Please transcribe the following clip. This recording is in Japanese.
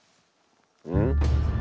うん？